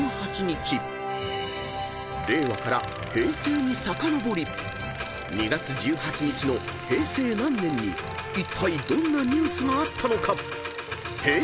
［令和から平成にさかのぼり２月１８日の平成何年にいったいどんなニュースがあったのかＨｅｙ！